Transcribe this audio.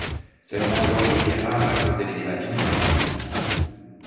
Seulement l'eau y était rare à cause de l'élévation du plateau.